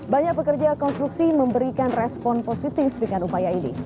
banyak pekerja konstruksi memberikan respon positif dengan upaya ini